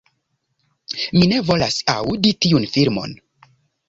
Mi ne volas aŭdi tiun filmon!